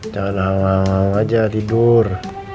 jangan halang halang aja tidur